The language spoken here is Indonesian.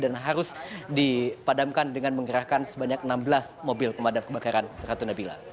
dan harus dipadamkan dengan menggerakkan sebanyak enam belas mobil pemadam kebakaran ratu nabila